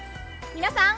皆さん。